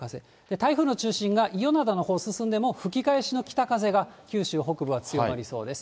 台風の中心が伊予灘のほうに進んでも、吹き返しの北風が九州北部は強まりそうです。